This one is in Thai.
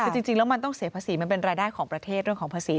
คือจริงแล้วมันต้องเสียภาษีมันเป็นรายได้ของประเทศเรื่องของภาษี